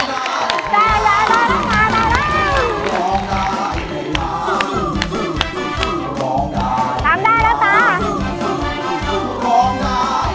ตามได้แล้วค่ะ